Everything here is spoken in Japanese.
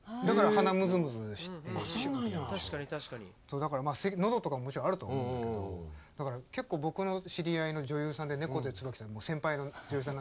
だから喉とかももちろんあるとは思うんだけどだから結構僕の知り合いの女優さんで猫背椿さん先輩の女優さん。